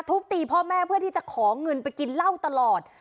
ทุบตีพ่อแม่เพื่อที่จะขอเงินไปกินเหล้าตลอด